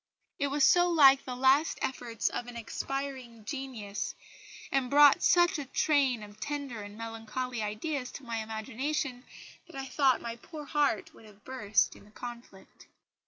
It was so like the last efforts of an expiring genius, and brought such a train of tender and melancholy ideas to my imagination, that I thought my poor heart would have burst in the conflict."